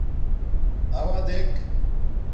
اݸا دیکھ